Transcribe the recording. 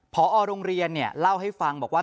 พอโรงเรียนเล่าให้ฟังบอกว่า